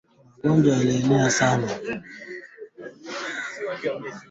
wanajeshi wawili wa Rwanda wamekamatwa na